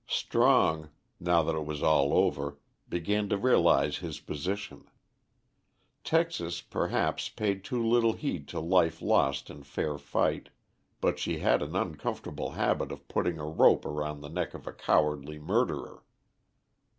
Strong, now that it was all over, began to realise his position. Texas, perhaps, paid too little heed to life lost in fair fight, but she had an uncomfortable habit of putting a rope round the neck of a cowardly murderer.